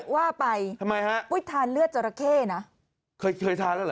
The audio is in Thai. ว่าไปทำไมฮะอุ้ยทานเลือดจราเข้นะเคยเคยทานแล้วเหรอ